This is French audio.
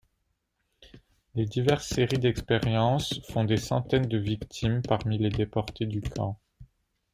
Les diverses séries d'expériences font des centaines de victimes parmi les déportés du camp.